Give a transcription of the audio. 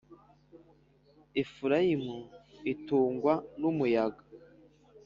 Efurayimu itungwa n’umuyaga,